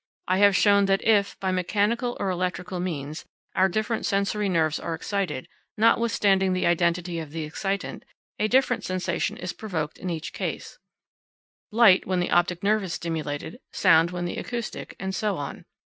I have shown that if, by mechanical or electrical means, our different sensory nerves are excited, notwithstanding the identity of the excitant, a different sensation is provoked in each case light when the optic nerve is stimulated, sound when the acoustic, and so on.